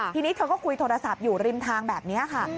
ทีนี้เธอก็คุยโทรศัพท์อยู่ริมทางแบบนี้ค่ะ